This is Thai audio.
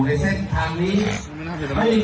แฮปปี้เบิร์สเจทูยู